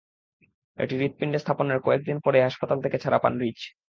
এটি হৃৎপিণ্ডে স্থাপনের কয়েক দিন পরই হাসপাতাল থেকে ছাড়া পান রিচ।